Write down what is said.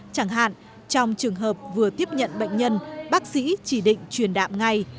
chẳng hạn trong trường hợp vừa tiếp nhận bệnh nhân bác sĩ chỉ định truyền đạm ngay